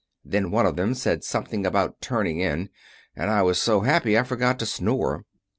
Then one of them said something about turning in, and I was so happy I forgot to snore.